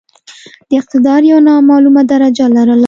د اقتدار یو نامعموله درجه لرله.